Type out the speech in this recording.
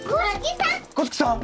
五色さん！